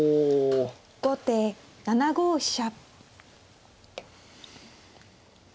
後手７五飛車。